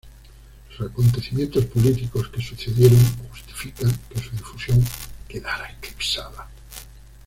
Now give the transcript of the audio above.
Los acontecimientos políticos que sucedieron justifican que su difusión quedara eclipsada.